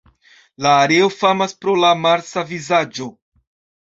La areo famas pro la Marsa vizaĝo.